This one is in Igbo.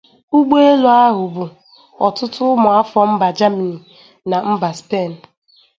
Ụgbọelu ahụ bu ọtụtụ ụmụ afọ mba Jamini na mba Spen